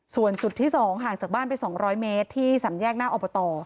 ส่วนจุดที่๒ห่างจากบ้านไป๒๐๐เมตรที่สำแยกหน้าอบต